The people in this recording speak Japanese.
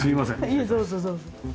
いえどうぞどうぞ。